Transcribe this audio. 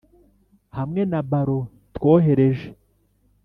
hamwe na ballon twohereje.